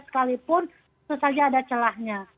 sekalipun itu saja ada celahnya